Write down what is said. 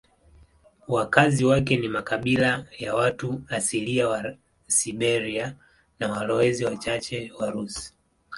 Wakazi wake ni makabila ya watu asilia wa Siberia na walowezi wachache Warusi.